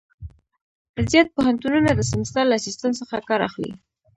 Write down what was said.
زیات پوهنتونونه د سمستر له سیسټم څخه کار اخلي.